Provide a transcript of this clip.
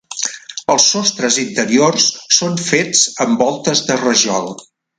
Els sostres interiors són fets amb voltes de rajol.